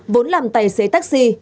vốn làm tài xế taxi